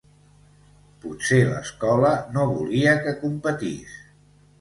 Potser l'escola no volia que competís.